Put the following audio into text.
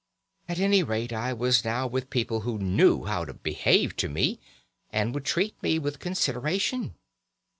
At any rate, I was now with people who knew how to behave to me, and would treat me with consideration.